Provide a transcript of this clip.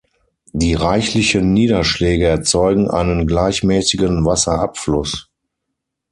Die reichlichen Niederschläge erzeugen einen gleichmäßigen Wasserabfluss.